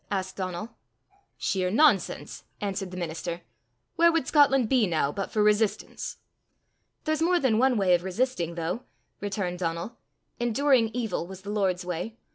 asked Donal. "Sheer nonsense!" answered the minister. "Where would Scotland be now but for resistance?" "There's more than one way of resisting, though," returned Donal. "Enduring evil was the Lord's way.